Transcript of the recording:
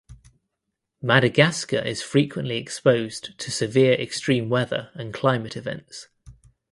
Madagascar is frequently exposed to severe extreme weather and climate events.